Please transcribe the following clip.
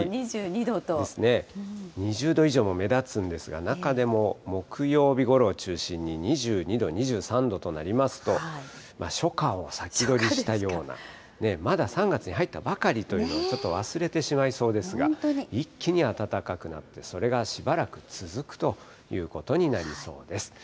２０度以上も目立つんですが、中でも木曜日ごろを中心に２２度、２３度となりますと、初夏を先取りしたような、まだ３月に入ったばかりというのをちょっと忘れてしまいそうですが、一気に暖かくなって、それがしばらく続くということになりそうです。